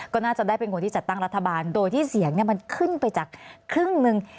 ก็น่าจะได้เป็นคนที่จัดตั้งรัฐบาลโดยที่เสียงมันขึ้นไปจากครึ่งหนึ่ง